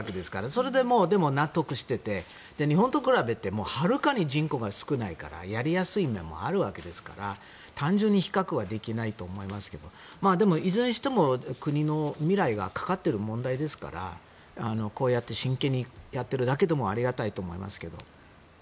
それでも納得していて日本と比べてはるかに人口が少ないからやりやすい面もあるわけですが単純に比較はできないと思いますけどでもいずれにしても国の未来がかかっている問題ですからこうやって真剣にやっているだけでもありがたいと思いますけど。